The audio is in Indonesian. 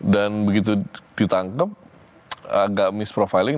dan begitu ditangkap agak misprofiling